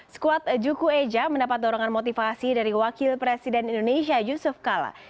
skuad juku eja mendapat dorongan motivasi dari wakil presiden indonesia yusuf kala